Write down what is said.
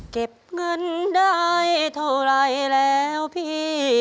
เก็บเงินได้เท่าไรแล้วพี่